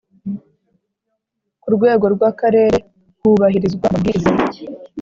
ku rwego rw Akarere hubahirizwa amabwiriza